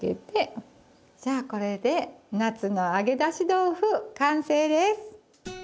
じゃあこれで夏の揚げ出し豆腐完成です！